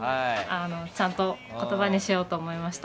ちゃんと言葉にしようと思いました。